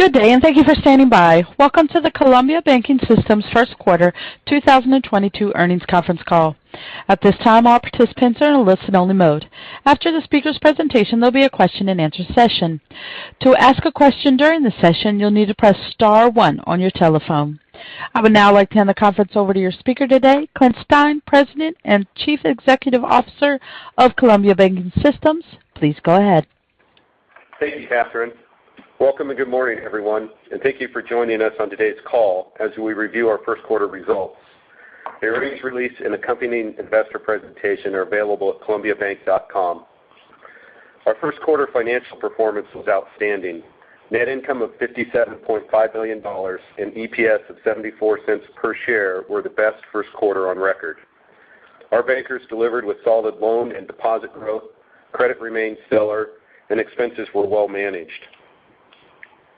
Good day, and thank you for standing by. Welcome to the Columbia Banking System's first quarter 2022 earnings conference call. At this time, all participants are in a listen only mode. After the speaker's presentation, there'll be a question and answer session. To ask a question during the session, you'll need to press star one on your telephone. I would now like to hand the conference over to your speaker today, Clint Stein, President and Chief Executive Officer of Columbia Banking System. Please go ahead. Thank you, Catherine. Welcome and good morning, everyone, and thank you for joining us on today's call as we review our first quarter results. The earnings release and accompanying investor presentation are available at columbiabank.com. Our first quarter financial performance was outstanding. Net income of $57.5 million and EPS of $0.74 per share were the best first quarter on record. Our bankers delivered with solid loan and deposit growth. Credit remained stellar and expenses were well managed.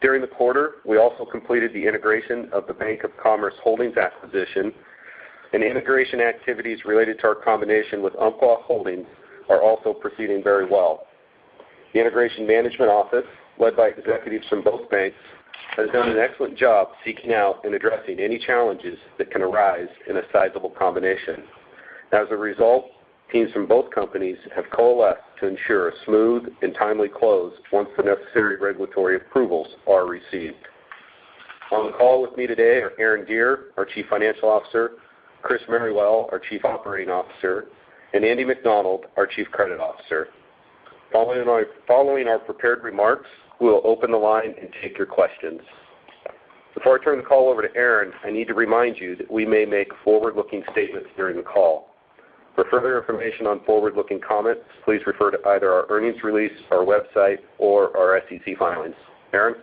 During the quarter, we also completed the integration of the Bank of Commerce Holdings acquisition, and integration activities related to our combination with Umpqua Holdings are also proceeding very well. The integration management office, led by executives from both banks, has done an excellent job seeking out and addressing any challenges that can arise in a sizable combination. As a result, teams from both companies have coalesced to ensure a smooth and timely close once the necessary regulatory approvals are received. On the call with me today are Aaron Deer, our Chief Financial Officer, Chris Merrywell, our Chief Operating Officer, and Andy McDonald, our Chief Credit Officer. Following our prepared remarks, we will open the line and take your questions. Before I turn the call over to Aaron, I need to remind you that we may make forward-looking statements during the call. For further information on forward-looking comments, please refer to either our earnings release, our website, or our SEC filings. Aaron?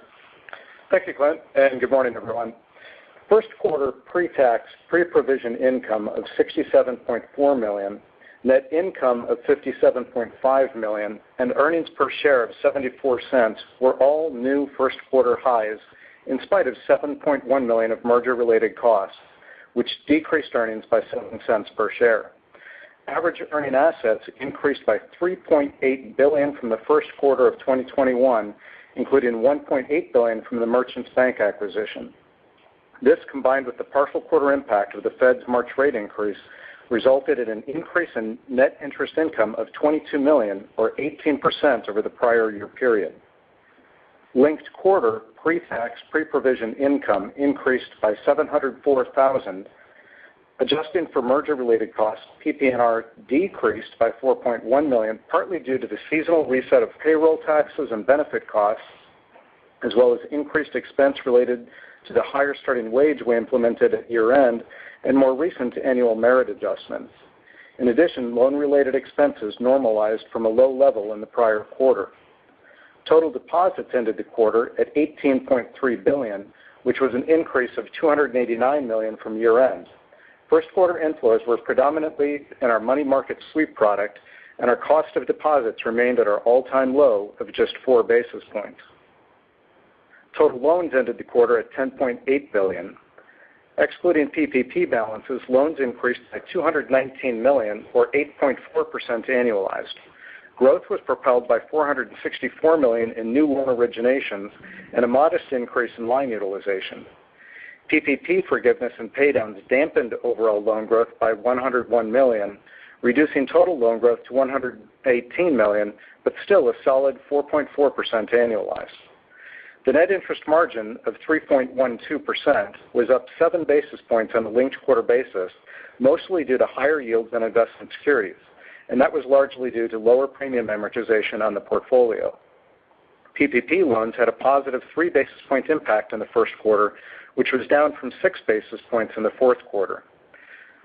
Thank you, Clint, and good morning, everyone. First quarter pre-tax, pre-provision income of $67.4 million, net income of $57.5 million and earnings per share of $0.74 were all new first quarter highs in spite of $7.1 million of merger related costs, which decreased earnings by $0.07 per share. Average earning assets increased by $3.8 billion from the first quarter of 2021, including $1.8 billion from the Merchants Bank acquisition. This, combined with the partial quarter impact of the Fed's March rate increase, resulted in an increase in net interest income of $22 million or 18% over the prior year period. Linked quarter pre-tax, pre-provision income increased by $704,000. Adjusting for merger-related costs, PPNR decreased by $4.1 million, partly due to the seasonal reset of payroll taxes and benefit costs, as well as increased expense related to the higher starting wage we implemented at year-end and more recent annual merit adjustments. In addition, loan-related expenses normalized from a low level in the prior quarter. Total deposits ended the quarter at $18.3 billion, which was an increase of $289 million from year-end. First quarter inflows were predominantly in our money market sweep product, and our cost of deposits remained at our all-time low of just 4 basis points. Total loans ended the quarter at $10.8 billion. Excluding PPP balances, loans increased by $219 million or 8.4% annualized. Growth was propelled by $464 million in new loan originations and a modest increase in line utilization. PPP forgiveness and paydowns dampened overall loan growth by $101 million, reducing total loan growth to $118 million, but still a solid 4.4% annualized. The net interest margin of 3.12% was up 7 basis points on a linked quarter basis, mostly due to higher yields on investment securities, and that was largely due to lower premium amortization on the portfolio. PPP loans had a positive 3 basis points impact in the first quarter, which was down from 6 basis points in the fourth quarter.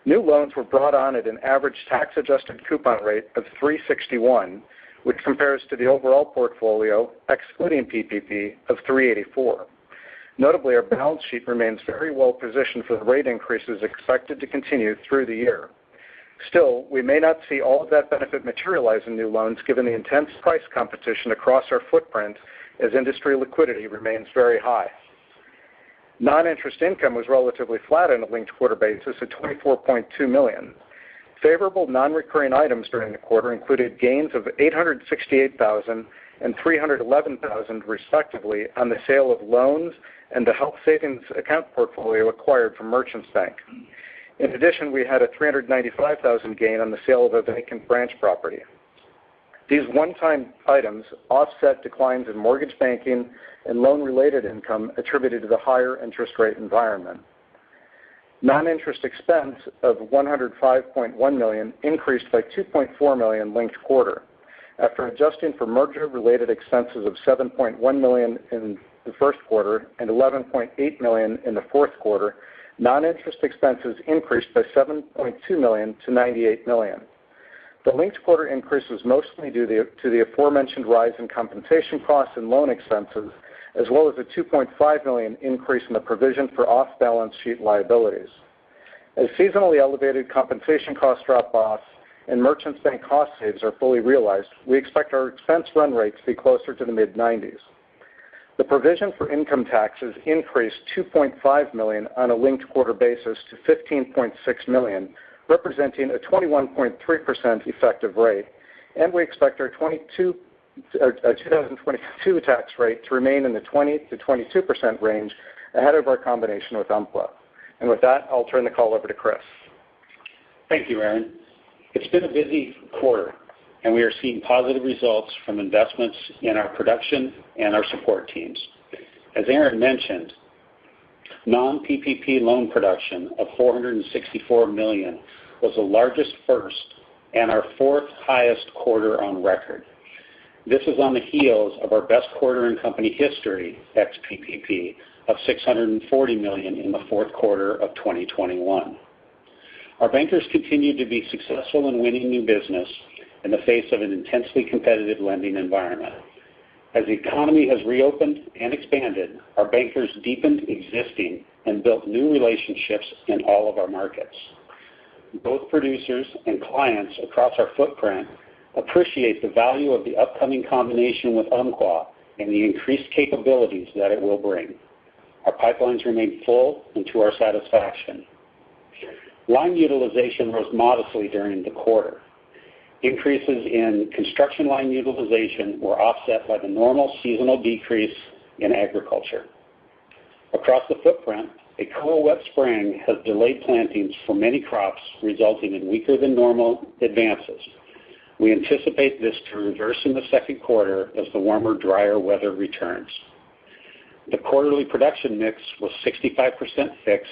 New loans were brought on at an average tax-adjusted coupon rate of 3.61, which compares to the overall portfolio excluding PPP of 3.84. Notably, our balance sheet remains very well positioned for the rate increases expected to continue through the year. Still, we may not see all of that benefit materialize in new loans given the intense price competition across our footprint as industry liquidity remains very high. Noninterest income was relatively flat on a linked-quarter basis at $24.2 million. Favorable non-recurring items during the quarter included gains of $868,000 and $311,000 respectively on the sale of loans and the health savings account portfolio acquired from Merchants Bank. In addition, we had a $395,000 gain on the sale of a vacant branch property. These one-time items offset declines in mortgage banking and loan-related income attributed to the higher interest rate environment. Non-interest expense of $105.1 million increased by $2.4 million linked quarter. After adjusting for merger-related expenses of $7.1 million in the first quarter and $11.8 million in the fourth quarter, non-interest expenses increased by $7.2 million to $98 million. The linked quarter increase was mostly due to the aforementioned rise in compensation costs and loan expenses, as well as a $2.5 million increase in the provision for off-balance-sheet liabilities. As seasonally elevated compensation cost drop-offs and Merchants Bank cost saves are fully realized, we expect our expense run rate to be closer to the mid-nineties. The provision for income taxes increased $2.5 million on a linked quarter basis to $15.6 million, representing a 21.3% effective rate. We expect our 2022 tax rate to remain in the 20%-22% range ahead of our combination with Umpqua. With that, I'll turn the call over to Chris. Thank you, Aaron. It's been a busy quarter, and we are seeing positive results from investments in our production and our support teams. As Aaron mentioned, non-PPP loan production of $464 million was the largest first quarter and our fourth highest quarter on record. This is on the heels of our best quarter in company history ex PPP of $640 million in the fourth quarter of 2021. Our bankers continued to be successful in winning new business in the face of an intensely competitive lending environment. As the economy has reopened and expanded, our bankers deepened existing and built new relationships in all of our markets. Both producers and clients across our footprint appreciate the value of the upcoming combination with Umpqua and the increased capabilities that it will bring. Our pipelines remain full and to our satisfaction. Line utilization rose modestly during the quarter. Increases in construction line utilization were offset by the normal seasonal decrease in agriculture. Across the footprint, a cool, wet spring has delayed plantings for many crops, resulting in weaker than normal advances. We anticipate this to reverse in the second quarter as the warmer, drier weather returns. The quarterly production mix was 65% fixed,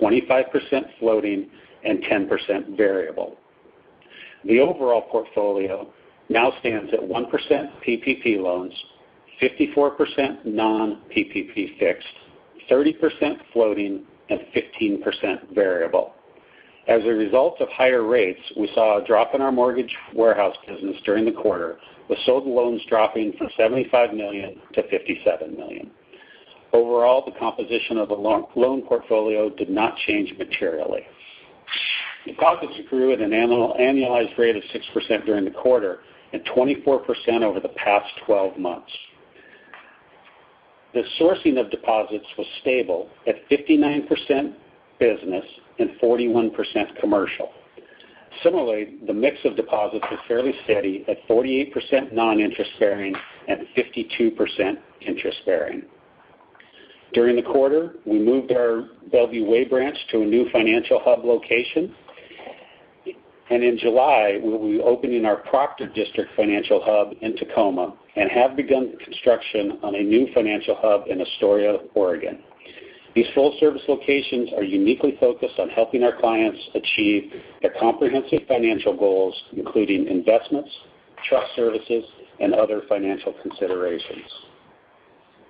25% floating, and 10% variable. The overall portfolio now stands at 1% PPP loans, 54% non-PPP fixed, 30% floating, and 15% variable. As a result of higher rates, we saw a drop in our mortgage warehouse business during the quarter, with sold loans dropping from $75 million to $57 million. Overall, the composition of the loan portfolio did not change materially. Deposits grew at an annualized rate of 6% during the quarter and 24% over the past 12 months. The sourcing of deposits was stable at 59% business and 41% commercial. Similarly, the mix of deposits was fairly steady at 48% non-interest bearing and 52% interest bearing. During the quarter, we moved our Bellevue Way branch to a new FinancialHub location. In July, we will be opening our Proctor District FinancialHub in Tacoma and have begun construction on a new FinancialHub in Astoria, Oregon. These full service locations are uniquely focused on helping our clients achieve their comprehensive financial goals, including investments, trust services, and other financial considerations.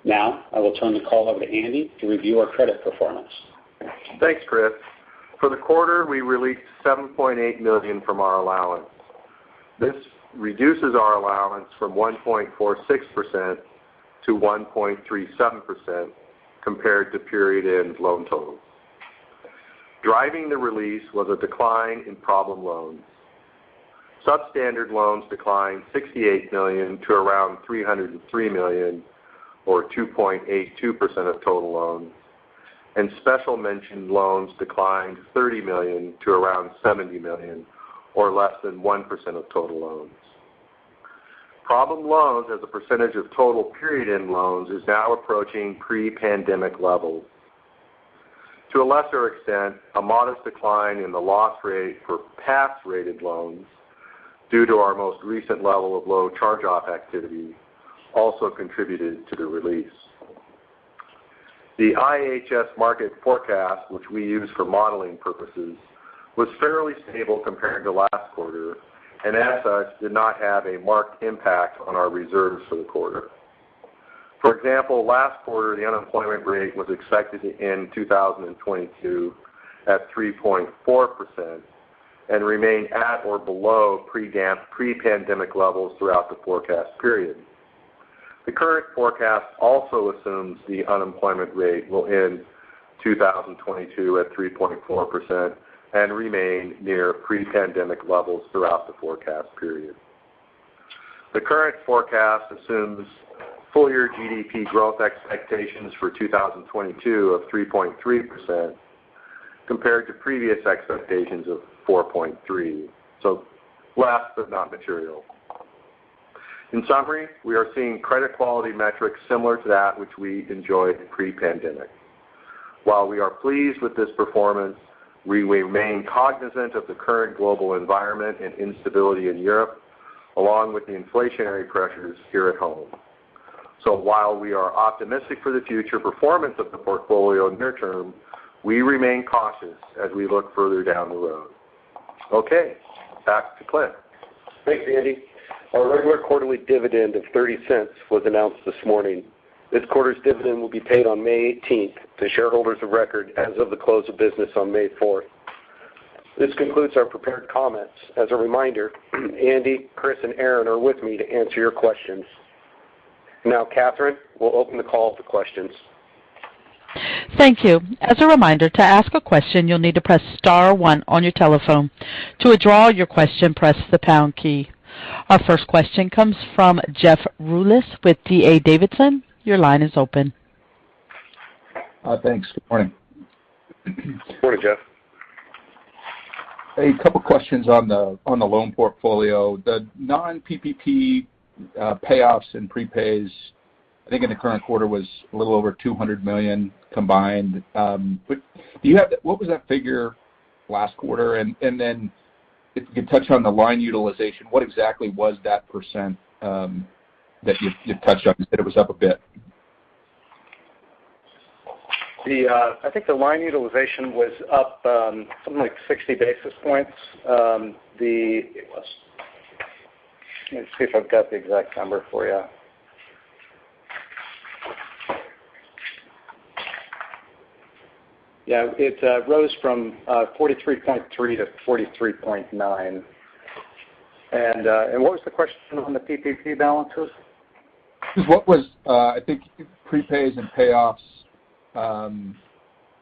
Now, I will turn the call over to Andy to review our credit performance. Thanks, Chris. For the quarter, we released $7.8 million from our allowance. This reduces our allowance from 1.46% to 1.37% compared to period-end loan totals. Driving the release was a decline in problem loans. Substandard loans declined $68 million to around $303 million or 2.82% of total loans. Special mention loans declined $30 million to around $70 million or less than 1% of total loans. Problem loans as a percentage of total period-end loans is now approaching pre-pandemic levels. To a lesser extent, a modest decline in the loss rate for pass-rated loans due to our most recent level of low charge-off activity also contributed to the release. The IHS Markit forecast, which we use for modeling purposes, was fairly stable compared to last quarter, and as such, did not have a marked impact on our reserves for the quarter. For example, last quarter, the unemployment rate was expected to end 2022 at 3.4% and remain at or below pre-pandemic levels throughout the forecast period. The current forecast also assumes the unemployment rate will end 2022 at 3.4% and remain near pre-pandemic levels throughout the forecast period. The current forecast assumes full year GDP growth expectations for 2022 of 3.3% compared to previous expectations of 4.3%, so less but not material. In summary, we are seeing credit quality metrics similar to that which we enjoyed pre-pandemic. While we are pleased with this performance, we remain cognizant of the current global environment and instability in Europe, along with the inflationary pressures here at home. While we are optimistic for the future performance of the portfolio near term, we remain cautious as we look further down the road. Okay, back to Clint. Thanks, Andy. Our regular quarterly dividend of $0.30 was announced this morning. This quarter's dividend will be paid on May 18th to shareholders of record as of the close of business on May 4th. This concludes our prepared comments. As a reminder, Andy, Chris, and Aaron are with me to answer your questions. Now, Catherine, we'll open the call to questions. Thank you. As a reminder, to ask a question, you'll need to press star one on your telephone. To withdraw your question, press the pound key. Our first question comes from Jeff Rulis with D.A. Davidson. Your line is open. Thanks. Good morning. Good morning, Jeff. Hey, a couple questions on the loan portfolio. The non-PPP payoffs and prepays, I think in the current quarter was a little over $200 million combined. Do you have what was that figure last quarter? Then if you could touch on the line utilization, what exactly was that percent that you touched on? You said it was up a bit. I think the line utilization was up something like 60 basis points. Let me see if I've got the exact number for you. Yeah, it rose from 43.3 to 43.9. What was the question on the PPP balances? Just what was, I think prepays and payoffs,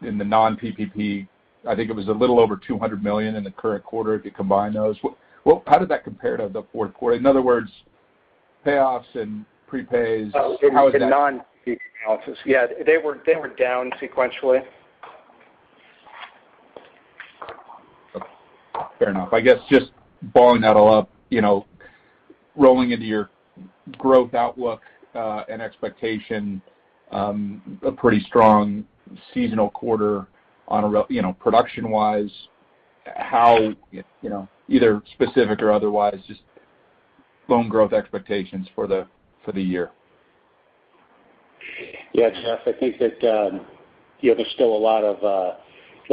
in the non-PPP, I think it was a little over $200 million in the current quarter if you combine those. What, how did that compare to the fourth quarter? In other words, payoffs and prepays, how is that? Oh, in the non-PPP balances. Yeah, they were down sequentially. Fair enough. I guess just balling that all up, you know, rolling into your growth outlook and expectation, a pretty strong seasonal quarter, you know, production-wise, how, you know, either specific or otherwise, just loan growth expectations for the year. Yeah, Jeff, I think that you know, there's still a lot of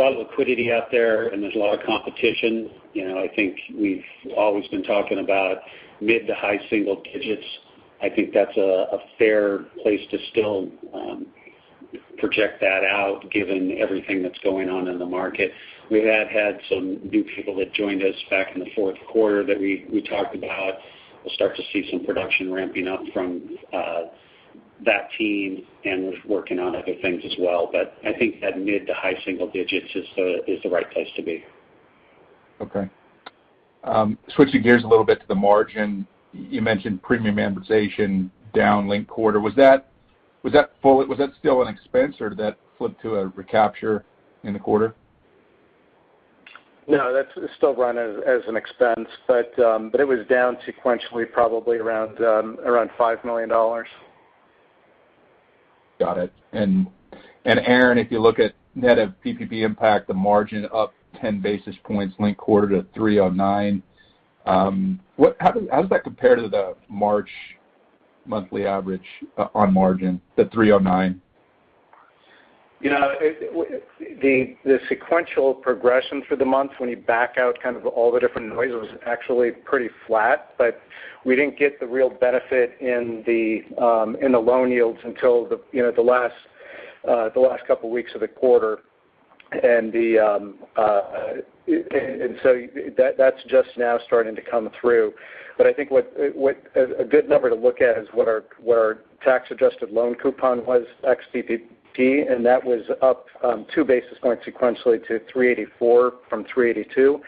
liquidity out there, and there's a lot of competition. You know, I think we've always been talking about mid- to high-single digits. I think that's a fair place to still project that out given everything that's going on in the market. We have had some new people that joined us back in the fourth quarter that we talked about. We'll start to see some production ramping up from that team, and we're working on other things as well. But I think that mid- to high-single digits is the right place to be. Okay. Switching gears a little bit to the margin. You mentioned premium amortization down linked quarter. Was that still an expense, or did that flip to a recapture in the quarter? No, that's still run as an expense. It was down sequentially probably around $5 million. Got it. Aaron, if you look at net of PPP impact, the margin up 10 basis points linked quarter to 3.09. How does that compare to the March monthly average on margin, the 3.09? You know, the sequential progression for the month when you back out kind of all the different noises is actually pretty flat. We didn't get the real benefit in the loan yields until you know, the last couple weeks of the quarter. So that's just now starting to come through. I think a good number to look at is our tax-adjusted loan coupon ex PPP, and that was up 2 basis points sequentially to 384 from 382.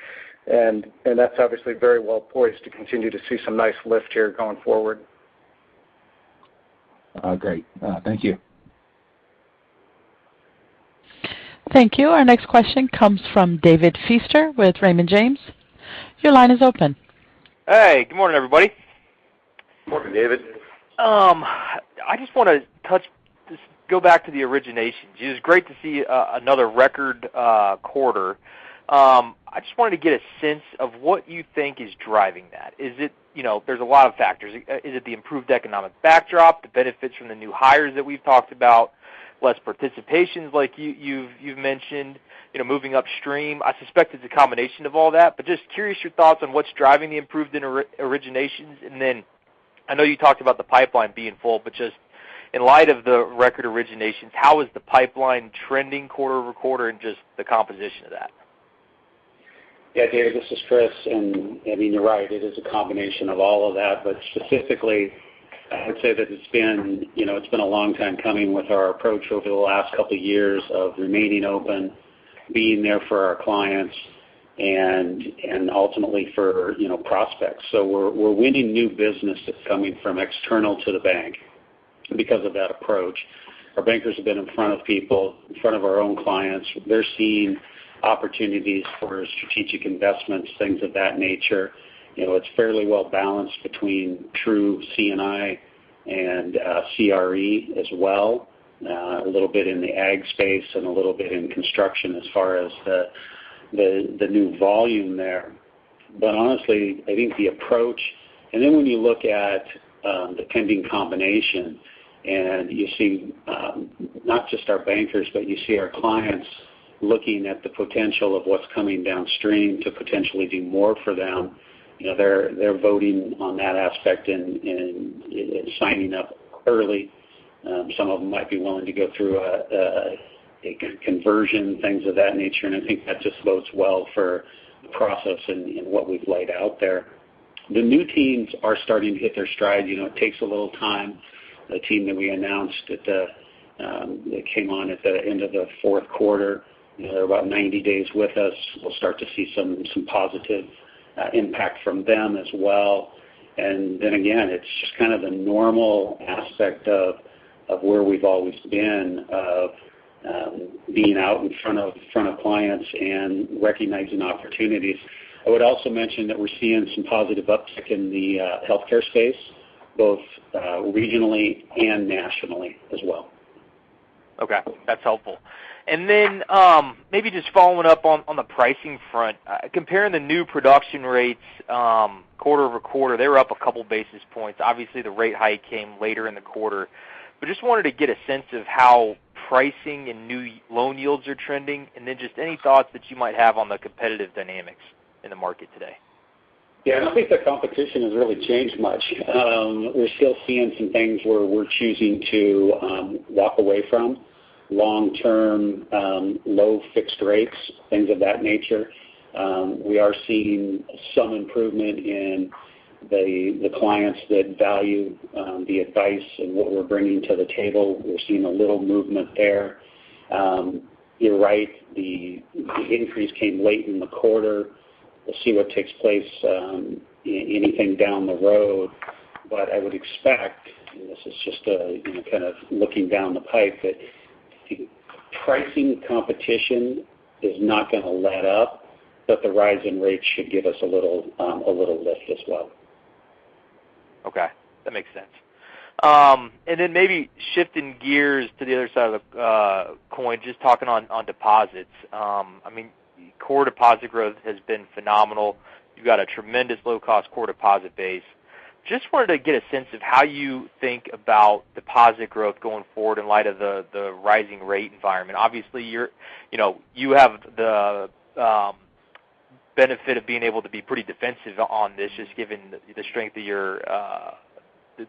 That's obviously very well poised to continue to see some nice lift here going forward. Great. Thank you. Thank you. Our next question comes from David Feaster with Raymond James. Your line is open. Hey, good morning, everybody. Morning, David. I just wanna touch, just go back to the originations. It is great to see another record quarter. I just wanted to get a sense of what you think is driving that. Is it, you know, there's a lot of factors. Is it the improved economic backdrop, the benefits from the new hires that we've talked about, less participations like you've mentioned, you know, moving upstream? I suspect it's a combination of all that, but just curious your thoughts on what's driving the improved originations. I know you talked about the pipeline being full, but just in light of the record originations, how is the pipeline trending quarter over quarter and just the composition of that? Yeah, David, this is Chris. I mean, you're right, it is a combination of all of that. Specifically, I would say that it's been, you know, it's been a long time coming with our approach over the last couple years of remaining open, being there for our clients and ultimately for, you know, prospects. We're winning new business that's coming from external to the bank because of that approach. Our bankers have been in front of people, in front of our own clients. They're seeing opportunities for strategic investments, things of that nature. You know, it's fairly well balanced between true C&I and CRE as well. A little bit in the ag space and a little bit in construction as far as the new volume there. Honestly, I think the approach. When you look at the pending combination, and you see not just our bankers, but you see our clients looking at the potential of what's coming downstream to potentially do more for them. You know, they're voting on that aspect and signing up early. Some of them might be willing to go through a conversion, things of that nature. I think that just bodes well for the process and what we've laid out there. The new teams are starting to hit their stride. You know, it takes a little time. The team that we announced at the that came on at the end of the fourth quarter, you know, they're about 90 days with us. We'll start to see some positive impact from them as well. Again, it's just kind of the normal aspect of where we've always been of being out in front of clients and recognizing opportunities. I would also mention that we're seeing some positive uptick in the healthcare space, both regionally and nationally as well. Okay, that's helpful. Maybe just following up on the pricing front. Comparing the new production rates, quarter-over-quarter, they were up a couple basis points. Obviously, the rate hike came later in the quarter. Just wanted to get a sense of how pricing and new loan yields are trending. Just any thoughts that you might have on the competitive dynamics in the market today. Yeah. I don't think the competition has really changed much. We're still seeing some things where we're choosing to walk away from long-term low fixed rates, things of that nature. We are seeing some improvement in the clients that value the advice and what we're bringing to the table. We're seeing a little movement there. You're right. The increase came late in the quarter. We'll see what takes place anything down the road. But I would expect, and this is just a you know, kind of looking down the pipe, that pricing competition is not gonna let up, but the rise in rates should give us a little lift as well. Okay. That makes sense. Maybe shifting gears to the other side of the coin, just talking on deposits. I mean, core deposit growth has been phenomenal. You've got a tremendous low cost core deposit base. Just wanted to get a sense of how you think about deposit growth going forward in light of the rising rate environment. Obviously, you know, you have the benefit of being able to be pretty defensive on this just given the strength of your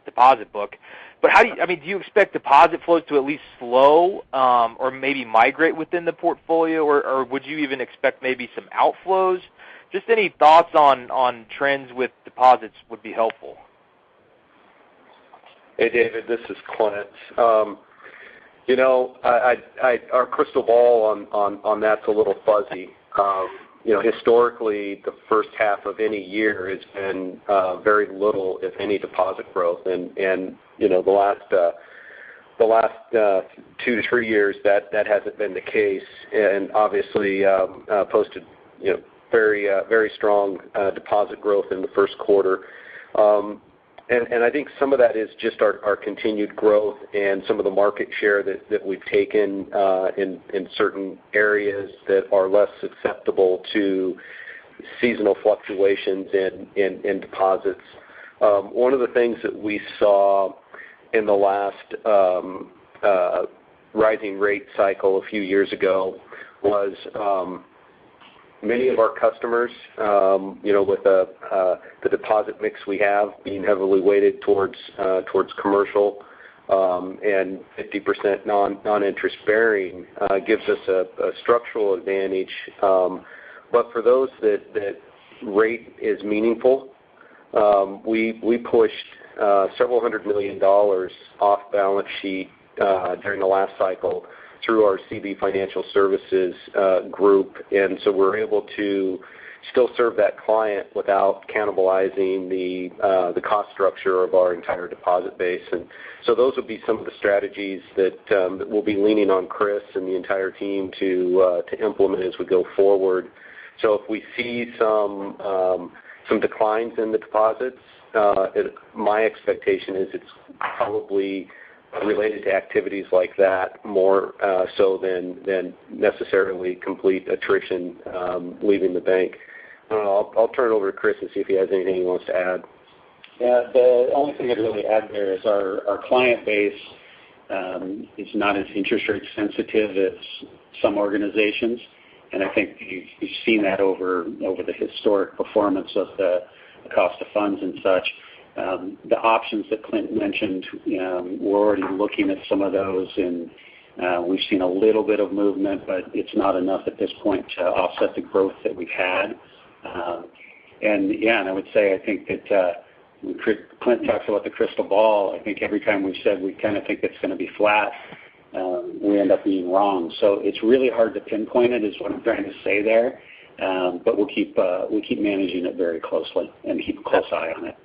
deposit book. How do you? I mean, do you expect deposit flows to at least slow or maybe migrate within the portfolio, or would you even expect maybe some outflows? Just any thoughts on trends with deposits would be helpful. Hey, David, this is Clint. You know, our crystal ball on that's a little fuzzy. You know, historically, the first half of any year has been very little, if any, deposit growth. You know, the last two to three years, that hasn't been the case and obviously we've posted you know very strong deposit growth in the first quarter. I think some of that is just our continued growth and some of the market share that we've taken in certain areas that are less susceptible to seasonal fluctuations in deposits. One of the things that we saw in the last rising rate cycle a few years ago was many of our customers, you know, with the deposit mix we have being heavily weighted towards commercial and 50% non-interest bearing, gives us a structural advantage. For those that rate is meaningful, we pushed several hundred million dollars off-balance sheet during the last cycle through our Columbia Financial Services group. We're able to still serve that client without cannibalizing the cost structure of our entire deposit base. Those would be some of the strategies that we'll be leaning on Chris and the entire team to implement as we go forward. If we see some declines in the deposits, my expectation is it's probably related to activities like that more so than necessarily complete attrition leaving the bank. I'll turn it over to Chris and see if he has anything he wants to add. Yeah. The only thing I'd really add there is our client base is not as interest rate sensitive as some organizations. I think you've seen that over the historic performance of the cost of funds and such. The options that Clint mentioned, we're already looking at some of those, and we've seen a little bit of movement, but it's not enough at this point to offset the growth that we've had. Yeah, I would say, I think that Clint talks about the crystal ball. I think every time we've said we kind of think it's gonna be flat, we end up being wrong. It's really hard to pinpoint it, is what I'm trying to say there. But we'll keep managing it very closely and keep a close eye on it.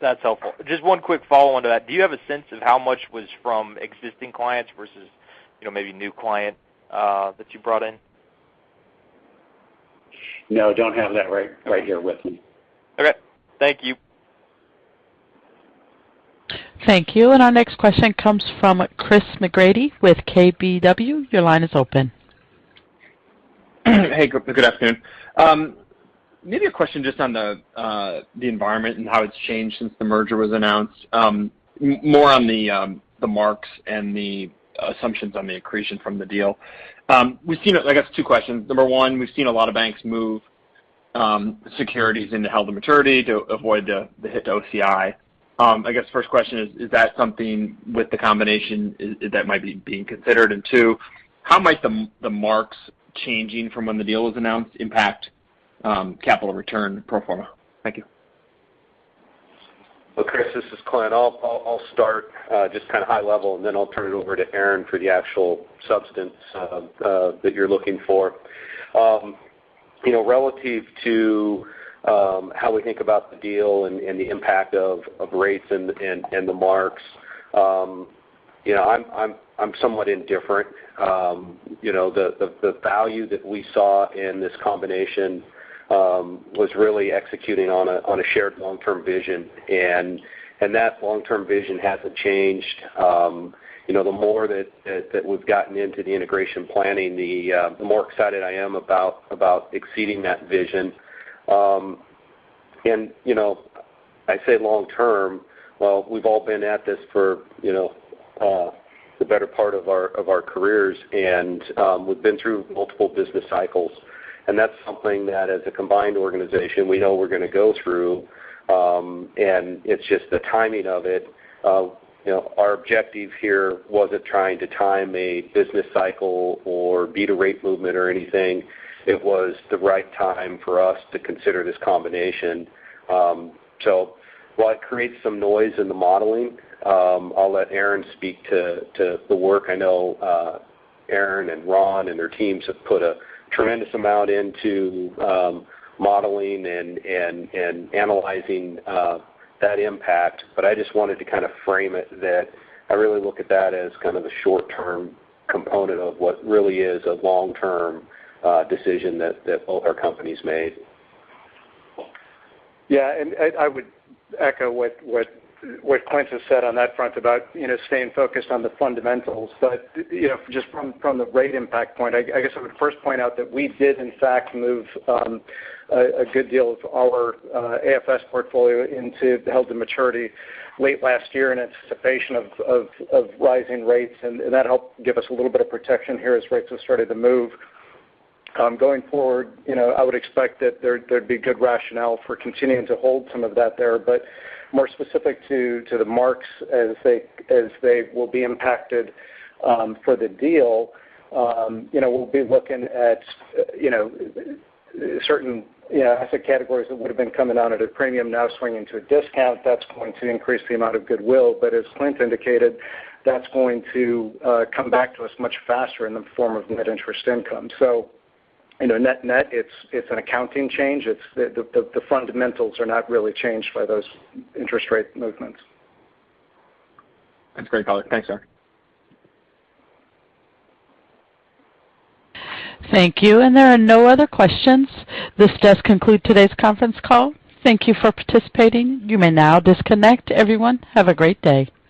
That's helpful. Just one quick follow-on to that. Do you have a sense of how much was from existing clients versus, you know, maybe new client, that you brought in? No, I don't have that right here with me. Okay. Thank you. Thank you. Our next question comes from Chris McGratty with KBW. Your line is open. Hey, good afternoon. Maybe a question just on the environment and how it's changed since the merger was announced, more on the marks and the assumptions on the accretion from the deal. We've seen, I guess, two questions. Number one, we've seen a lot of banks move securities into held to maturity to avoid the hit to OCI. I guess first question is that something with the combination that might be being considered? And two, how might the marks changing from when the deal was announced impact capital return pro forma? Thank you. Well, Chris, this is Clint. I'll start just kind of high level, and then I'll turn it over to Aaron for the actual substance that you're looking for. You know, relative to how we think about the deal and the impact of rates and the marks, you know, I'm somewhat indifferent. You know, the value that we saw in this combination was really executing on a shared long-term vision. That long-term vision hasn't changed. You know, the more that we've gotten into the integration planning, the more excited I am about exceeding that vision. You know, I say long term. Well, we've all been at this for, you know, the better part of our careers, and we've been through multiple business cycles. That's something that, as a combined organization, we know we're gonna go through. It's just the timing of it. You know, our objective here wasn't trying to time a business cycle or beat a rate movement or anything. It was the right time for us to consider this combination. While it creates some noise in the modeling, I'll let Aaron speak to the work. I know Aaron and Ron and their teams have put a tremendous amount into modeling and analyzing that impact. I just wanted to kind of frame it that I really look at that as kind of the short-term component of what really is a long-term decision that both our companies made. Yeah. I would echo what Clint has said on that front about, you know, staying focused on the fundamentals. You know, just from the rate impact point, I guess I would first point out that we did in fact move a good deal of our AFS portfolio into held to maturity late last year in anticipation of rising rates, and that helped give us a little bit of protection here as rates have started to move. Going forward, you know, I would expect that there'd be good rationale for continuing to hold some of that there. More specific to the marks as they will be impacted for the deal, you know, we'll be looking at, you know, certain, you know, asset categories that would have been coming out at a premium now swinging to a discount. That's going to increase the amount of goodwill. As Clint indicated, that's going to come back to us much faster in the form of net interest income. You know, net-net, it's an accounting change. It's the fundamentals are not really changed by those interest rate movements. That's great color. Thanks, Aaron. Thank you. There are no other questions. This does conclude today's conference call. Thank you for participating. You may now disconnect. Everyone, have a great day.